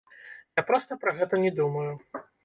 Я проста пра гэта не думаю.